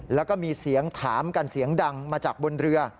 แล้วก็มีเสียงถามกันเสียงดังมาจากบนเรือ